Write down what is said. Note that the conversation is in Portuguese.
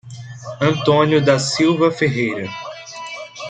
Antônio da Silva Ferreira